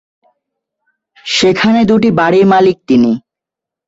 সেখানে দুইটি বাড়ির মালিক তিনি।